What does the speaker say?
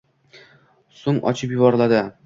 So‘ng ochib yuboriladi.